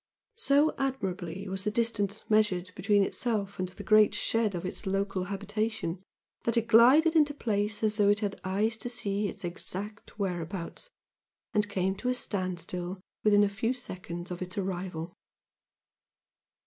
So admirably was the distance measured between itself and the great shed of its local habitation, that it glided into place as though it had eyes to see its exact whereabouts, and came to a standstill within a few seconds of its arrival.